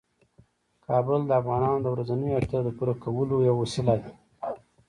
کابل د افغانانو د ورځنیو اړتیاوو د پوره کولو یوه وسیله ده.